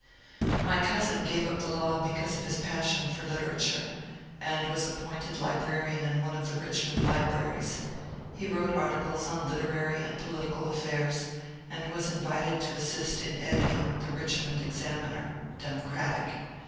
My cousin gave up the law because of his passion for liter ature, and was appointed librarian in one of the Richmond libraries. He wrote articles on literary and political affairs and was invited to assist in editing the ^^ Richmond Examiner " (Democratic).